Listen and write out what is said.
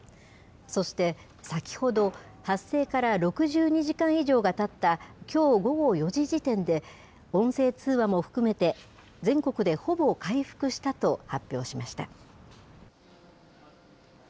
そして、先ほど、発生から６２時間以上がたったきょう午後４時時点で、音声通話も含めて全国でほぼ回復したと発表しました。